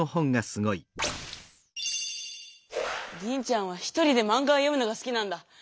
リンちゃんは１人でマンガを読むのがすきなんだ。